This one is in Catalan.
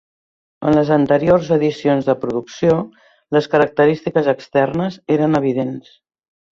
En les anteriors edicions de producció, les característiques externes eren evidents.